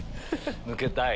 抜けたい。